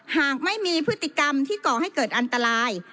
หากไม่มีพฤติกรรมที่ก่อให้เกิดอันตราย